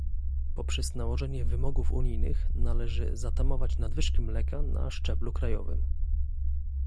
Poprzez nałożenie wymogów unijnych należy zatamować nadwyżki mleka na szczeblu krajowym